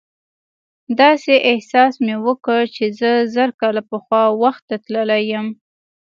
داسې احساس مې وکړ چې زه زر کاله پخوا وخت ته تللی یم.